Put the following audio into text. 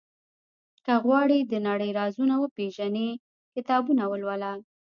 • که غواړې د نړۍ رازونه وپېژنې، کتابونه ولوله.